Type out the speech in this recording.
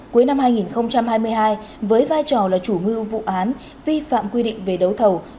cuối năm hai nghìn hai mươi hai với vai trò là chủ ngư vụ án vi phạm quy định về đấu thầu